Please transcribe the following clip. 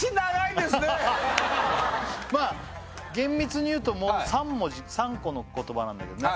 まあ厳密に言うと３個の言葉なんだけどね